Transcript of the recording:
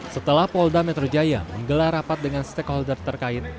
setelah polda metro jaya menggelar rapat dengan stakeholder terkait